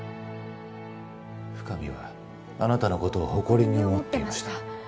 「深海はあなたの事を誇りに思ってました」。